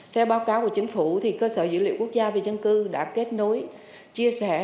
theo báo cáo của chính phủ cơ sở dữ liệu quốc gia về dân cư đã kết nối chia sẻ